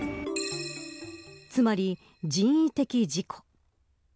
つまり、人為的事故。